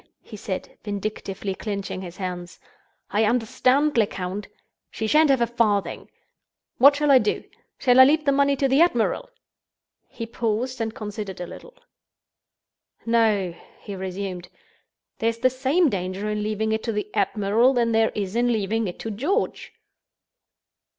he said, vindictively clinching his hands. "I understand, Lecount! She shan't have a farthing. What shall I do? Shall I leave the money to the admiral?" He paused, and considered a little. "No," he resumed; "there's the same danger in leaving it to the admiral that there is in leaving it to George."